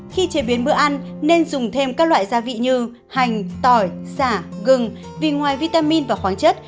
khi chế biến bữa ăn nên dùng thêm các loại gia vị như hành tỏi xả gừng vì ngoài vitamin và khoáng chất